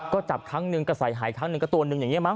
ก็จับทั้งหนึ่งกระใสหายทั้งหนึ่งกระตัวหนึ่งอย่างนี้มั้ง